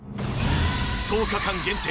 １０日間限定